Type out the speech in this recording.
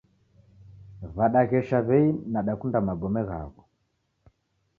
Wadaghesha wei nadakunda magome ghaw'o